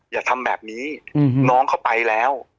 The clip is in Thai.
อย่าทำแบบนี้น้องเขาไปแล้ว